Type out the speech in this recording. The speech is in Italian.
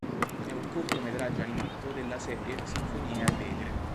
È un cortometraggio animato della serie "Sinfonie allegre".